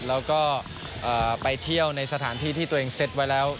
แล้วก็ไปเที่ยวในสถานที่ที่ตัวเองเซ็ตไว้แล้ว